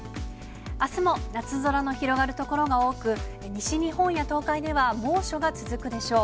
あすも夏空の広がる所が多く、西日本や東海では猛暑が続くでしょう。